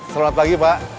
selamat pagi pak